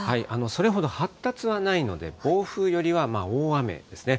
それほど発達はないので、暴風よりは大雨ですね。